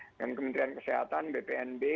dengan kementerian kesehatan bpnb